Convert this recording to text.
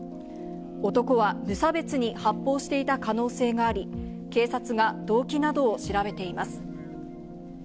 男は無差別に発砲していた可能性があり、警察が動機などを調べています。